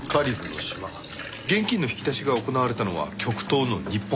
現金の引き出しが行われたのは極東の日本。